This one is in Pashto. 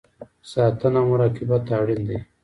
ساتنه او مراقبت اړین دی